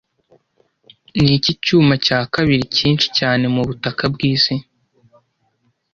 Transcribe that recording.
Niki cyuma cya kabiri cyinshi cyane mubutaka bwisi